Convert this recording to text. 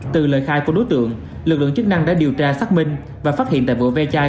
từ lời khai của đối tượng lực lượng chức năng đã điều tra xác minh và phát hiện tại vụ ve chai